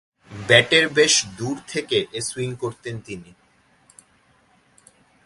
ব্যাটের বেশ দূর থেকে এ সুইং করতেন তিনি।